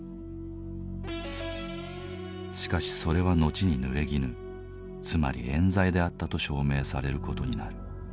しかしそれは後にぬれぎぬつまり「えん罪」であったと証明される事になる。